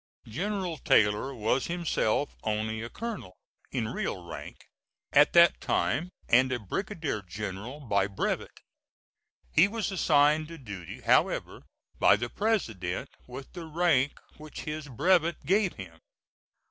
General Taylor was himself only a colonel, in real rank, at that time, and a brigadier general by brevet. He was assigned to duty, however, by the President, with the rank which his brevet gave him.